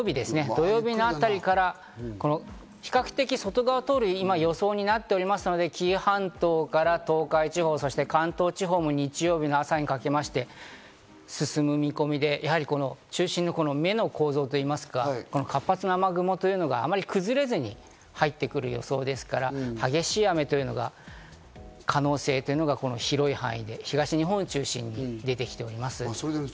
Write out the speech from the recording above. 土曜日のあたりから比較的外側を通る今、予想になっていますので、紀伊半島から東海地方、そして関東地方も日曜日の朝にかけまして進む見込みで、中心の目の構造といいますか、活発な雨雲というのがあまり崩れずに入ってくる予想ですから、激しい雨というのが可能性というのが広い範囲で東日本を中心に出てきております。